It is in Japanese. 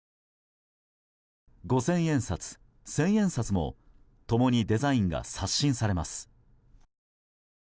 五千円札、千円札も共にデザインが刷新されます。